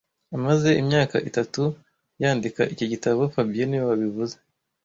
Amaze imyaka itatu yandika iki gitabo fabien niwe wabivuze